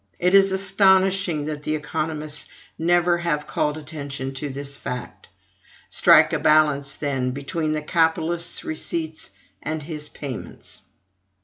It is astonishing that the economists never have called attention to this fact. Strike a balance, then, between the capitalist's receipts and his payments.